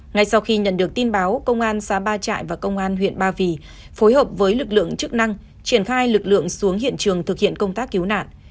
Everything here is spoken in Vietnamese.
ngay sau khi nhận được tin báo công an xã ba trại và công an huyện ba vì phối hợp với lực lượng chức năng triển khai lực lượng xuống hiện trường thực hiện công tác cứu nạn